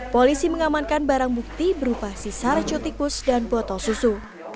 polisi mengamankan barang bukti berupa sisa racu tikus dan botol susu